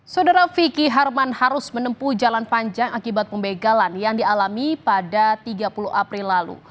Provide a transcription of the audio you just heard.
saudara vicky harman harus menempuh jalan panjang akibat pembegalan yang dialami pada tiga puluh april lalu